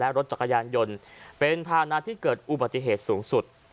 รถจักรยานยนต์เป็นภานะที่เกิดอุบัติเหตุสูงสุด